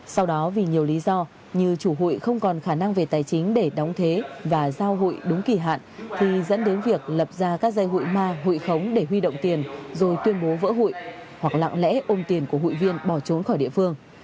sau đó vì nhiều lý do như chủ hụi không còn khả năng về tài chính để đóng thế và giao hụi đúng kỳ hạn thì dẫn đến việc lập ra các dây hụi ma hụi khống để huy động tiền rồi tuyên bố vỡ hụi hoặc lặng lẽ ôm tiền của hụi viên bỏ trốn khỏi địa phương